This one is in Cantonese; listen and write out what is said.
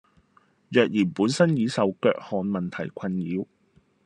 若然本身已受腳汗問題困擾